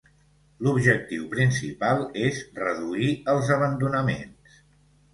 L'objectiu principal és reduir els abandonaments.